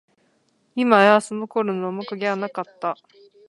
いまや、その頃の面影はなかった